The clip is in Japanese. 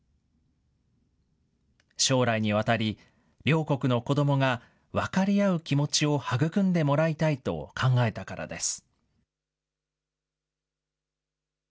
将来にわたり、両国の子どもが分かり合う気持ちを育んでもらいたいと考えたからです。